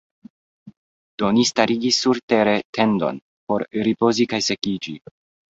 Do ni starigis surtere tendon por ripozi kaj sekiĝi.